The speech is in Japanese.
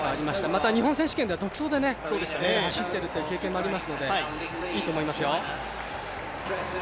また日本選手権では独走で走っているという経験もありますのでいいと思いますよ。